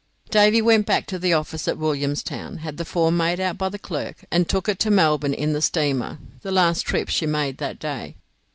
Davy went back to the office at Williamstown, had the form made out by the clerk, and took it to Melbourne in the steamer, the last trip she made that day.